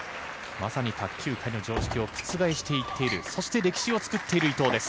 まさに卓球界の常識を覆していっているそして歴史を作っている伊藤です。